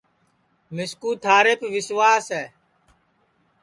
مِسکُو تیریپ وسواس ہے